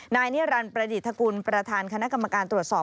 นิรันดิ์ประดิษฐกุลประธานคณะกรรมการตรวจสอบ